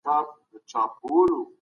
یو پرته له بله نیمګړی دی.